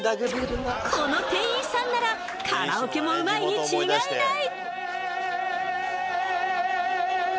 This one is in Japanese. この店員さんならカラオケもうまいに違いない！